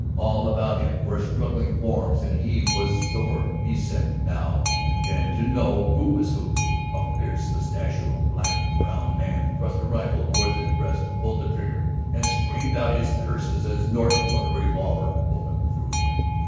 All about him were struggling forms and he was sore beset now and then to know who was who. A fierce mustachioed, black browed man thrust a rifle toward his breast and pulled the trigger and screamed out his curses as Norton put a revolver bullet through him.